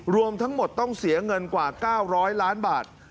รวมทั้งหมดต้องเสียเงินกว่า๙๐๐ล้านบาท